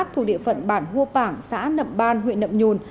thu địa phận bản hua bảng xã nậm ban huyện nậm nhùn